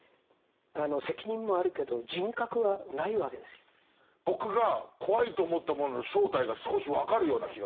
そこには僕が怖いと思ったものの正体が少し分かるような気がする。